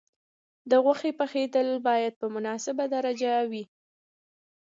د غوښې پخېدل باید په مناسبه درجه وي.